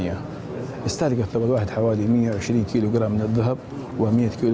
saya memiliki satu ratus dua puluh kg berasal dari jerman dan seratus kg berasal dari saudi